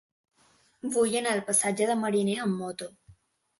Vull anar al passatge de Mariné amb moto.